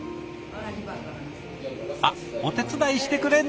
あっお手伝いしてくれるのかな？